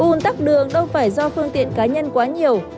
un tắc đường đâu phải do phương tiện cá nhân quá nhiều